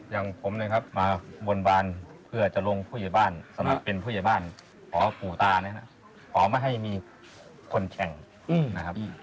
อย่างผมนะครับมาบนบานเพื่อจะลงผู้ใหญ่บ้านสมัครเป็นผู้ใหญ่บ้านขอปู่ตานะครับขอไม่ให้มีคนแข่งนะครับ